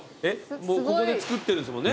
ここで作ってるんですもんね。